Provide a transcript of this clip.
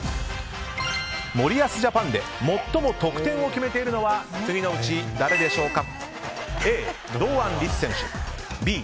森保ジャパンで最も得点を決めているのは次のうち誰でしょうか？